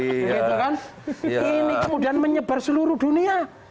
ini kemudian menyebar seluruh dunia